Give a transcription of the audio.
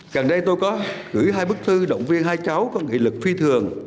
gần đây tôi có gửi hai bức thư động viên hai cháu có nghị lực phi thường